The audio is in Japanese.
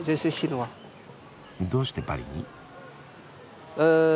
どうしてパリに？